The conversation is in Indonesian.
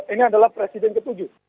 ini adalah presiden ketujuh